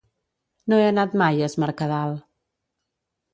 No he anat mai a Es Mercadal.